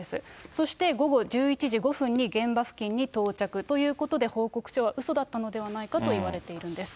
そして午後１１時５分に、現場付近に到着ということで、報告書はうそだったのではないかといわれているんです。